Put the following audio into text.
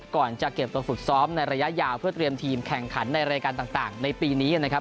ก่อนจะเก็บตัวฝึกซ้อมในระยะยาวเพื่อเตรียมทีมแข่งขันในรายการต่างในปีนี้นะครับ